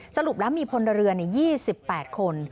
สรุปแล้วมีพลเรือน๒๘คน